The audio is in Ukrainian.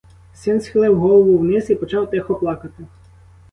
Син схилив голову вниз і почав тихо плакати.